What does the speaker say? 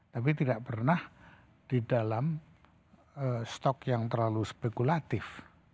tapi tidak pernah di dalam stok yang terlalu spekulatif